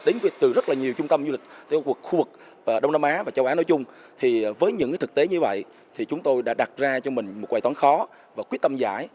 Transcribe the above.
như vậy chúng tôi đã đặt ra cho mình một quầy toán khó và quyết tâm giải